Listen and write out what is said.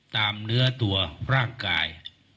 ตามเนื้อตัวร่างกาย